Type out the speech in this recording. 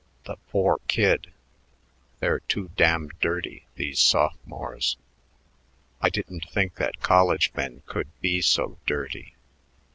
The poor kid! They're too damn dirty, these sophomores. I didn't think that college men could be so dirty.